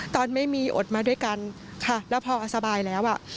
ตอนไม่มีอดมาด้วยกันค่ะแล้วพอสบายแล้วอ่ะ